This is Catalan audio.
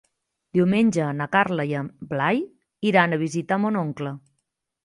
Diumenge na Carla i en Blai iran a visitar mon oncle.